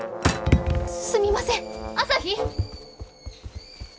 すみません朝陽！